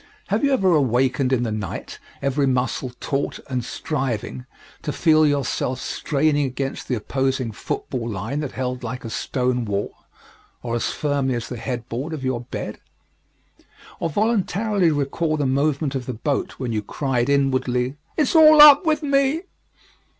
Have you ever awakened in the night, every muscle taut and striving, to feel your self straining against the opposing football line that held like a stone wall or as firmly as the headboard of your bed? Or voluntarily recall the movement of the boat when you cried inwardly, "It's all up with me!"